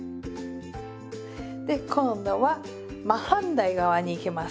で今度は真反対側にいきます。